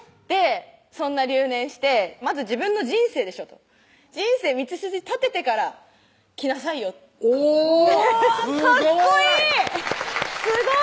そんな留年してまず自分の人生でしょと人生道筋立ててから来なさいよおぉっすごい！